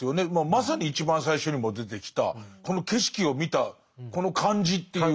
まさに一番最初にも出てきたこの景色を見たこの感じという。